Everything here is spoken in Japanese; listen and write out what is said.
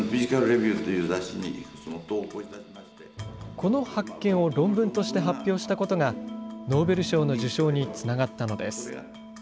この発見を論文として発表したことが、ノーベル賞の受賞につながったのです。